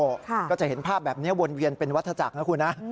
ก็จะเห็นภาพแบบนี้วนเวียนเป็นวัฒจักรนะคุณนะ